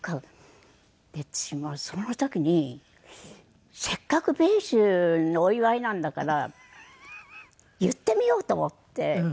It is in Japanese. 私もうその時にせっかく米寿のお祝いなんだから言ってみようと思って。